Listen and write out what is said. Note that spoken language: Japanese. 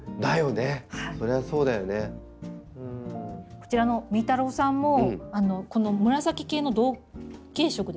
こちらのみーたろうさんもこの紫系の同系色ですね。